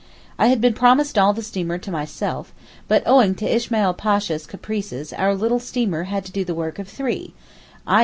I had been promised all the steamer to myself, but owing to Ismail Pasha's caprices our little steamer had to do the work of three—_i.